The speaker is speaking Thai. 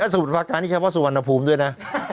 สมุดปลาการอันนี้เขียนว่าสุวรรณภงด้วยนะ